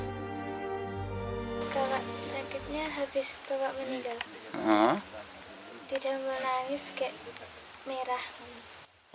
kalau sakitnya habis bapak meninggal tidak menangis kayak merah